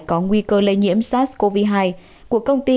có nguy cơ lây nhiễm sars cov hai của công ty